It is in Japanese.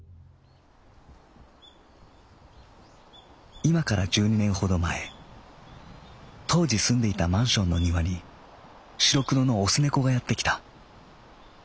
「いまから十二年ほど前当時住んでいたマンションの庭に白黒の雄猫がやってきた。